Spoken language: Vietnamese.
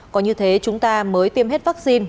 có như thế chúng ta mới tiêm hết vaccine